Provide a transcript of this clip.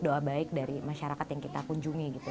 doa baik dari masyarakat yang kita kunjungi gitu